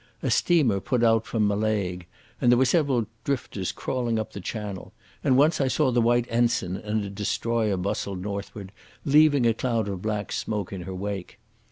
A steamer put out from Mallaig, and there were several drifters crawling up the channel and once I saw the white ensign and a destroyer bustled northward, leaving a cloud of black smoke in her wake.